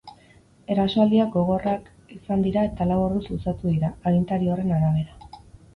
Erasoaldiak gogorrak izan dira eta lau orduz luzatu dira, agintari horren arabera.